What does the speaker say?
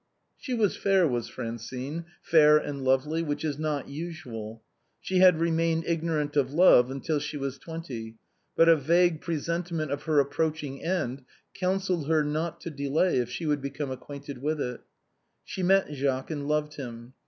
She was fair, was Francine, fair and lively, which is not usual. She had remained ignorant of love till she was twenty, but a vague presentiment of her approaching end counselled her not to delay if she would become acquainted with it. She met Jacques and loved him.